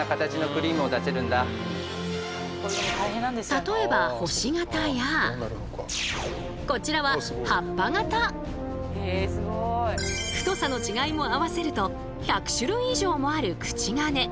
例えばこちらは太さの違いも合わせると１００種類以上もある口金。